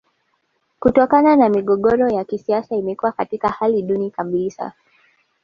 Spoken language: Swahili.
Kutokana na migogoro ya kisiasa imekuwa katika hali duni kabisa